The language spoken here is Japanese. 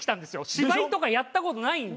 芝居とかやった事ないんで。